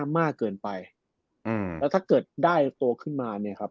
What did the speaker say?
มากเกินไปอืมแล้วถ้าเกิดได้ตัวขึ้นมาเนี่ยครับ